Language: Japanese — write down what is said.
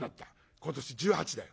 「今年１８だよ」。